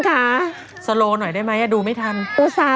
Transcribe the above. ว่าเธอรอรับอยู่เหรอใ่ไว้ดูซิ